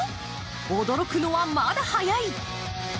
驚くのはまだ早い。